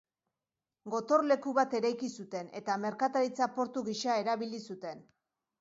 Gotorleku bat eraiki zuten, eta merkataritza-portu gisa erabili zuten.